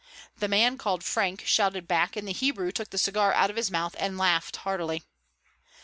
The man called Frank shouted back and the Hebrew took the cigar out of his mouth and laughed heartily.